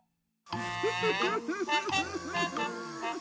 フフフフフ。